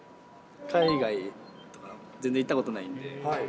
海外、全然行ったことないんで。